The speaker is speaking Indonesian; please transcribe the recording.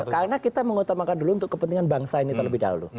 karena kita mengutamakan dulu untuk kepentingan bangsa ini terlebih dahulu